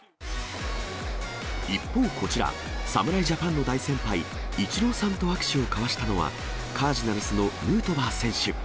一方こちら、侍ジャパンの大先輩、イチローさんと握手を交わしたのは、カージナルスのヌートバー選手。